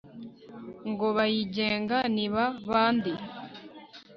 Ngo bayigenga ni ba bandi